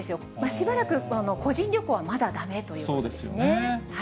しばらく個人旅行は、まだだめということですね。